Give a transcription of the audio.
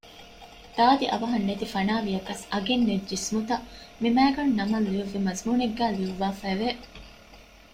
ދާދި އަވަހަށް ނެތިފަނާވިޔަކަސް އަގެއްނެތް ޖިސްމުތައް މި މައިގަނޑުނަމަށް ލިޔުއްވި މަޒުމޫނެއްގައި ލިޔުއްވާފައިވެ